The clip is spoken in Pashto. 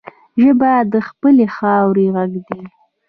ژبه د خپلې خاورې غږ دی